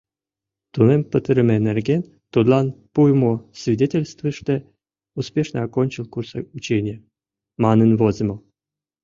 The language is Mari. тунем пытарыме нерген тудлан пуымо свидетельствыште «успешно окончил курс учения» манын возымо